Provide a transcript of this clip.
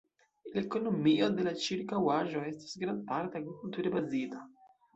La ekonomio de la ĉirkaŭaĵo estas grandparte agrikulture bazita.